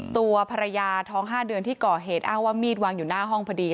ตัวภรรยาท้อง๕เดือนที่ก่อเหตุอ้างว่ามีดวางอยู่หน้าห้องพอดี